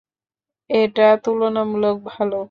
এটা তুলনামূলক ভালো।